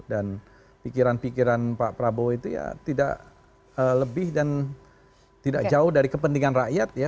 dan pikiran pikiran pak prabowo itu ya tidak lebih dan tidak jauh dari kepentingan rakyat ya